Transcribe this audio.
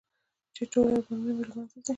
چې ټول ارمانونه مې له منځه ځي .